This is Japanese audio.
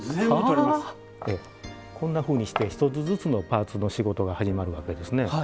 こんなふうにして１つずつのパーツの仕事が始まるわけですね。